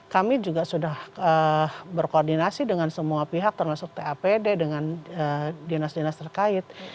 kami juga sudah berkoordinasi dengan semua pihak termasuk tapd dengan dinas dinas terkait